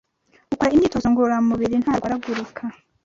ukora imyitozo ngororamubiri ntarwaragurika